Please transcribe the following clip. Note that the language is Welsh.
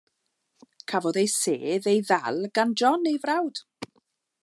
Cafodd ei sedd ei ddal gan John, ei frawd.